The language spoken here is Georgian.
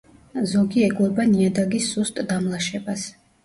ზოგი ეგუება ნიადაგის სუსტ დამლაშებას.